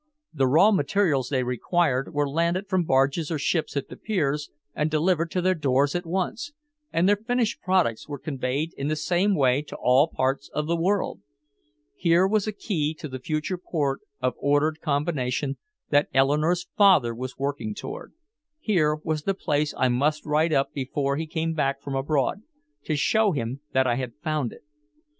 The raw materials they required were landed from barges or ships at the piers and delivered to their doors at once, and their finished products were conveyed in the same way to all parts of the world. Here was a key to the future port of ordered combination that Eleanore's father was working toward. Here was the place I must write up before he came back from abroad, to show him that I had found it.